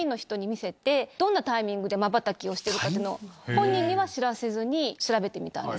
本人には知らせずに調べてみたんです。